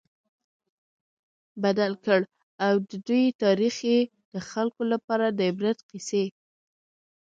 بدل کړ، او د دوی تاريخ ئي د خلکو لپاره د عبرت قيصي